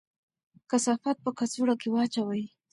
کثافات په کڅوړه کې واچوئ.